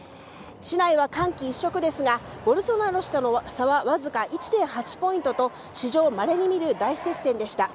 市内は歓喜一色ですが、ボルソナロ氏との差は僅か１．８ポイントと、史上まれにみる大接戦でした。